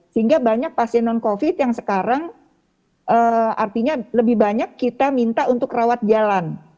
sehingga banyak pasien non covid yang sekarang artinya lebih banyak kita minta untuk rawat jalan